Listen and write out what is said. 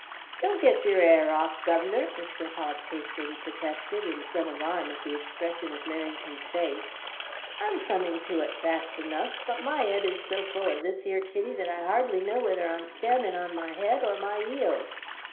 Don't get your 'air off, guv'nor," Mr. Hobbs hastily protested, in some alarm at the expression of Merrington's face, "I'm coming to it fast enough, but my head is so full of this here kiddy that I hardly know whether I'm standing on my 'ead or my 'eels.